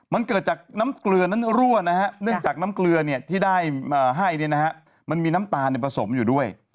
มันเกิดจากน้ำเกลือนั้นรั่วนะฮะเนื่องจากน้ำเกลือที่ได้ให้มันมีน้ำตาลผสมอยู่ด้วย